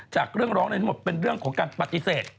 จากเรื่องร้องอะไรทั้งหมดเป็นเรื่องของการปฏิเสธ